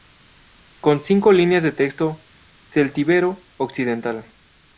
Con cinco líneas de texto celtíbero occidental.